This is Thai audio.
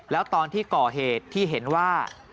แล้วตอนที่ก่อเหตุที่เห็นว่า